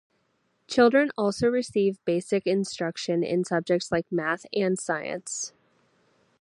Children also receive basic instruction in subjects like math and science.